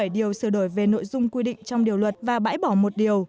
chín mươi bảy điều sửa đổi về nội dung quy định trong điều luật và bãi bỏ một điều